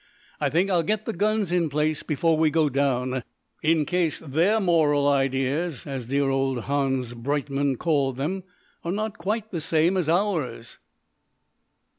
I think I'll get the guns in place before we go down, in case their moral ideas, as dear old Hans Breitmann called them, are not quite the same as ours."